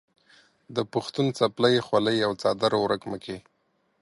د پښتون څپلۍ، خولۍ او څادر ورک مه کې.